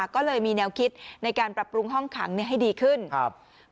ก็เลยมีแนวคิดในการปรับปรุงห้องขังให้ดีขึ้นครับ